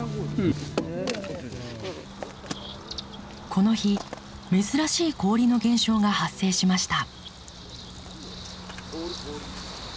この日珍しい氷の現象が発生しました。